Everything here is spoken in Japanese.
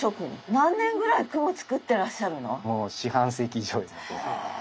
何年ぐらい雲作ってらっしゃるの？